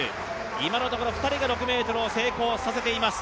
今のところ２人が６ｍを成功させています。